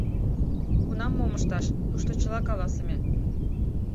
Кунам мом ышташ, тушто чыла каласыме.